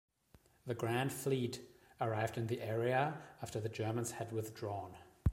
The Grand Fleet arrived in the area after the Germans had withdrawn.